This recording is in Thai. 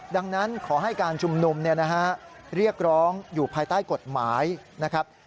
ดังนั้นขอให้การชุมนุมเรียกร้องอยู่ภายใต้กฎหมายนะครับ